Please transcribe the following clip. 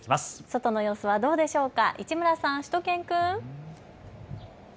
外の様子はどうでしょうか、市村さん、しゅと犬くん。